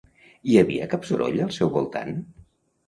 Hi havia cap soroll al seu voltant?